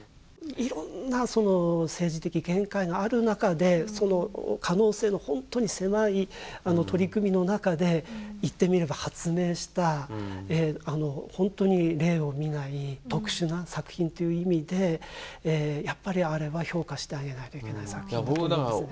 いろんなその政治的限界がある中でその可能性の本当に狭い取り組みの中で言ってみれば発明した本当に例を見ない特殊な作品っていう意味でやっぱりあれは評価してあげないといけない作品だと思うんですね。